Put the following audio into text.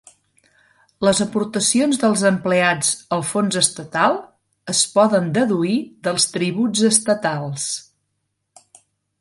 Les aportacions del empleats al fons estatal es poden deduir dels tributs estatals.